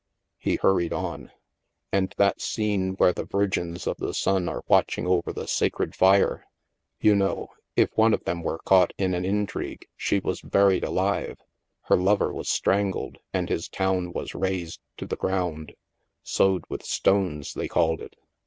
He hurried on :" And that scene where the Virgins of the Sim are watching over the sacred fire !... You know, if one of them were caught in an intrigue, she was buried alive, her lover was strangled and his town was razed to the grotmd —' sowed with stones ' they called it.